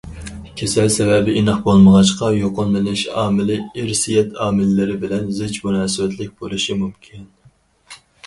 كېسەل سەۋەبى ئېنىق بولمىغاچقا، يۇقۇملىنىش ئامىلى، ئىرسىيەت ئامىللىرى بىلەن زىچ مۇناسىۋەتلىك بولۇشى مۇمكىن.